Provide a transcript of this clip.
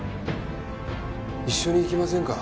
一緒に行きませんか？